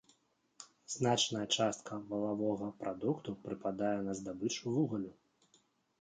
Значная частка валавога прадукту прыпадае на здабычу вугалю.